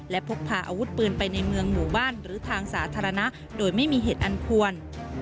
และพกพาอาวุธปืนไปในเมืองหมู่บ้านหรือทางสาธารณะโดยไม่มีเหตุอันควร